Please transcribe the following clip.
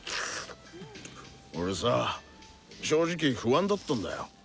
俺さ正直不安だったんだよ。